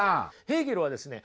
ヘーゲルはですね